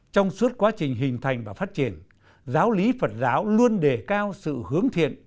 trong suốt quá trình hình thành và phát triển giáo lý phật giáo luôn đề cao sự hướng thiện